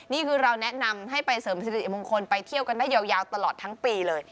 นี่คือเราแนะนำให้ไปเสริมสิริมงคลไปเที่ยวกันได้ยาวตลอดทั้งปีเลย